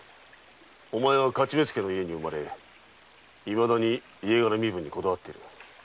お前は徒目付の家に生まれ今だに家柄身分にこだわっている。